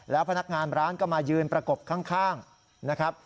แล้วพนักงานร้านก็มายืนประกบข้างนะครับ